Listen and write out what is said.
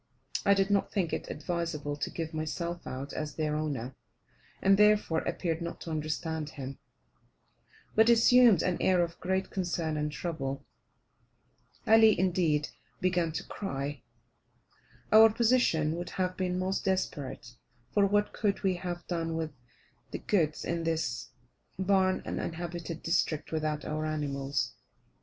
I did not think it advisable to give myself out as their owner, and therefore appeared not to understand him, but assumed an air of great concern and trouble. Ali, indeed, began to cry. Our position would have been most desperate; for, what could we have done with the goods in this barren uninhabited district without our animals.